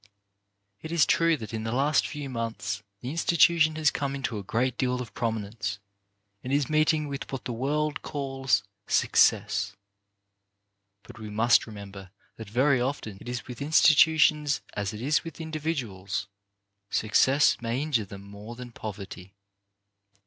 It is true that in the last few months the in stitution has come into a great deal of prominence, and is meeting with what the world calls " success." But we must remember that very often it is with institutions as it is with individuals — success may injure them more than poverty.